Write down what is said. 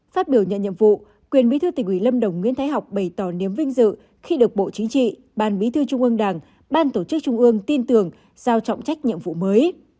phát biểu nhận nhiệm vụ quyền bí thư tỉnh ủy lâm đồng nguyễn thái học bày tỏ niềm vinh dự khi được bộ chính trị ban bí thư trung ương đảng ban tổ chức trung ương tin tưởng giao trọng trách nhiệm vụ mới